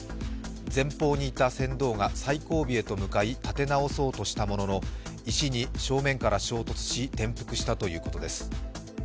前方にいた船頭が最後尾へと向かい立て直そうとしたものの石に正面から衝突し転覆したということです。